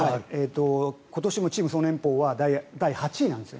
今年もチーム総年俸は第８位なんです。